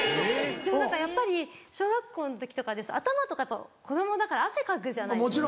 でも何かやっぱり小学校の時とかで頭とかやっぱ子供だから汗かくじゃないですか。